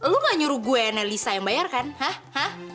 lo gak nyuruh gue dan elisa yang bayar kan hah hah